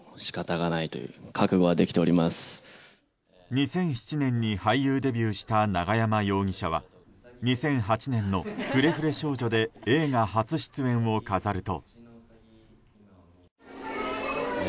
２００７年に俳優デビューした永山容疑者は２００８年の「フレフレ少女」で映画初出演を飾ると。